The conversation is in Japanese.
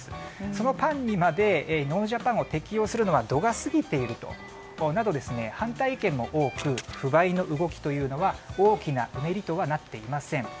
そのパンにまでノージャパンを適用するのは度が過ぎているなど反対意見も多く不買の動きというのは大きなうねりとはなっていません。